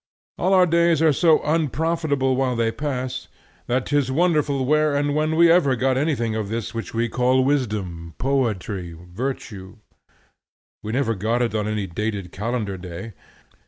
All our days are so unprofitable while they pass, that 'tis wonderful where or when we ever got anything of this which we call wisdom, poetry, virtue. We never got it on any dated calendar day.